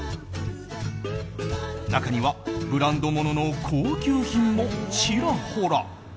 中にはブランドものの高級品もちらほら。